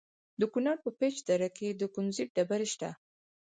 د کونړ په پيچ دره کې د کونزیټ ډبرې شته.